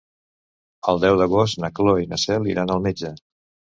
El deu d'agost na Cloè i na Cel iran al metge.